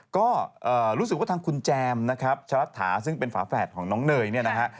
ก็รู้สึกว่าทางคุณแจมนะครับชะรัฐาซึ่งเป็นฝาแฝดของน้องเนยเนี่ยนะฮะ